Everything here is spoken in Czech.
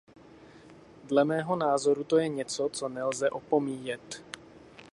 Dle mého názoru to je něco, co nelze opomíjet.